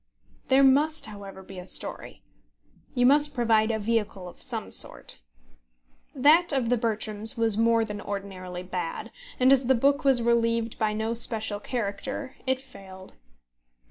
There must, however, be a story. You must provide a vehicle of some sort. That of The Bertrams was more than ordinarily bad; and as the book was relieved by no special character, it failed.